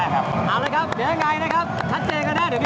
ครับเลยครับเดี๋ยวจะยังไงนะครับ